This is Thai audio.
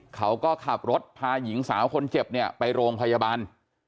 เขาก็ขับรถพาหญิงสาวคนเจ็บเนี่ยไปโรงพยาบาล